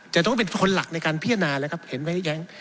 จะต้องเป็นคนหลักในการพิจารณาแล้วครับเห็นไหมแย้ง